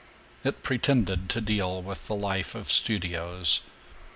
It pretended to deal with the life of studios.